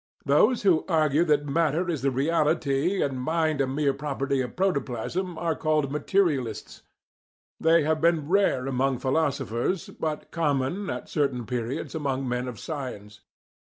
Those who argue that matter is the reality and mind a mere property of protoplasm are called "materialists." They have been rare among philosophers, but common, at certain periods, among men of science.